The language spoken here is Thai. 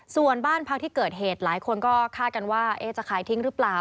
ส่วนบ้านพักที่เกิดเหตุหลายคนก็คาดกันว่าจะขายทิ้งหรือเปล่า